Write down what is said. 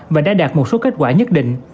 và đã đạt một số kết quả nhất định